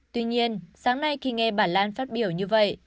tuy nhiên sáng nay khi nghe bản lan phát biểu như vậy